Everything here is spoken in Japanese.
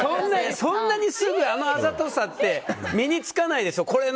そんなにすぐあのあざとさって身に着かないですよ。